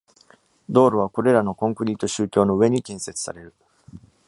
道路はこれらのコンクリート舟橋の上に建設される。